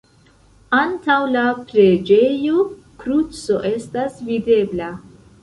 Antaŭ la preĝejo kruco estas videbla.